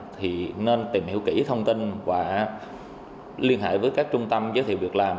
thì nên tìm hiểu kỹ thông tin và liên hệ với các trung tâm giới thiệu việc làm